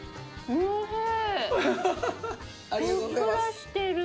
おいしい！